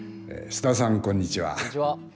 菅田さん、こんにちは。